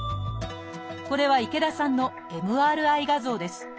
これは池田さんのＭＲＩ画像です。